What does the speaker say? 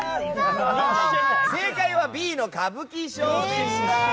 正解はＢの歌舞伎ショーでした。